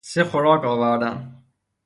سه خوراک آوردند